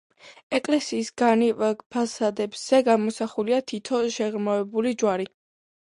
ეკლესიის განივ ფასადებზე გამოსახულია თითო შეღრმავებული ჯვარი.